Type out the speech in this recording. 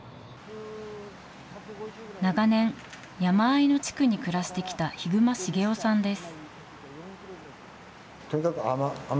長年、山あいの地区に暮らしてきた日隈繁夫さんです。